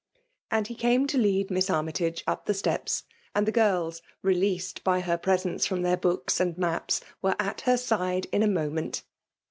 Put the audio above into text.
And he came to lead Miss Army* tage up the steps ; and the girls, released by her presence from their books and me^s, were at her side in a moment.